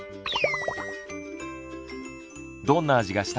どんな味がした？